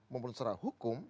maupun secara hukum